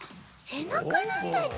せなかなんだち？